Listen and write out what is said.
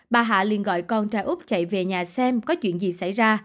bà hạ liền gọi con trai úc chạy về nhà xem có chuyện gì xảy ra